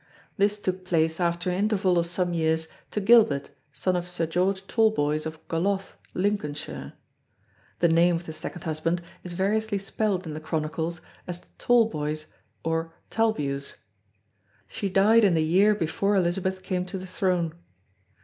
This took place after an interval of some years to Gilbert, son of Sir George Talboys of Goloths, Lincolnshire. The name of the second husband is variously spelled in the chronicles as Tailboise or Talebuse. She died in the year before Elizabeth came to the throne.